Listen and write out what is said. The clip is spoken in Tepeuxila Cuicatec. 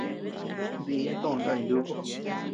Diya tö ndáy nuúku.